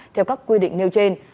theo các quy định nêu trên